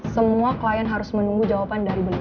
semua klien harus menunggu jawaban dari beliau